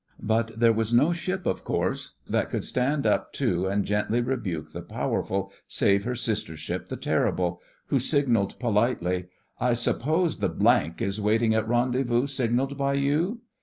But there was no ship, of course, that could stand up to and gently rebuke the Powerful save her sister ship the Terrible, who signalled politely: 'I suppose the —— is waiting at rendezvous signalled by you?